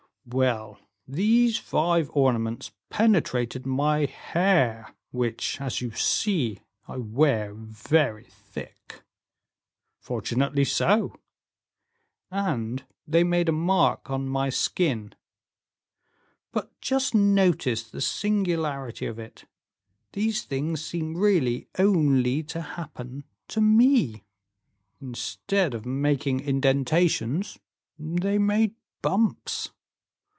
"Well, these five ornaments penetrated my hair, which, as you see, I wear very thick." "Fortunately so." "And they made a mark on my skin. But just notice the singularity of it, these things seem really only to happen to me! Instead of making indentations, they made bumps.